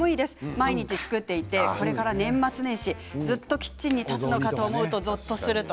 毎日作っていてこれから年末年始ずっとキッチンに立つのかと思うと、ぞっとすると。